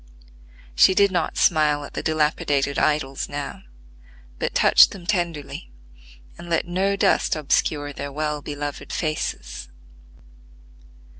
She did not smile at the dilapidated idols now, but touched them tenderly, and let no dust obscure their well beloved faces.